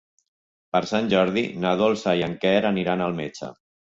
Per Sant Jordi na Dolça i en Quer aniran al metge.